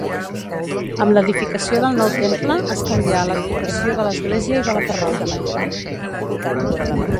Amb l'edificació del nou temple, es canvià l'advocació de l'església i de la parròquia.